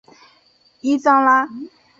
伊桑拉。